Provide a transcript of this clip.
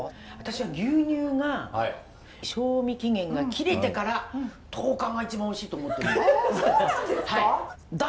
私は牛乳が賞味期限が切れてから１０日が一番おいしいと思ってるの。